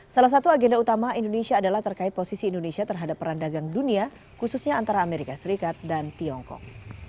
salah satu agenda utama indonesia adalah terkait posisi indonesia terhadap peran dagang dunia khususnya antara amerika serikat dan tiongkok